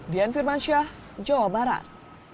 dian firmansyah jawa barat